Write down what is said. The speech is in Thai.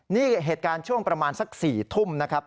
นี่เหตุการณ์ช่วงประมาณสัก๔ทุ่มนะครับ